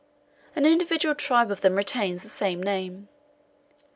An individual tribe of them retains the same name.